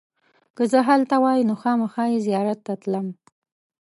که زه هلته وای نو خامخا یې زیارت ته تلم.